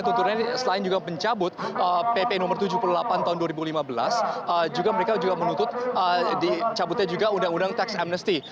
tentunya selain juga mencabut pp no tujuh puluh delapan tahun dua ribu lima belas juga mereka juga menuntut dicabutnya juga undang undang tax amnesty